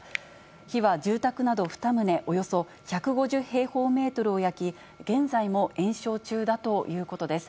火は住宅など２棟およそ１５０平方メートルを焼き、現在も延焼中だということです。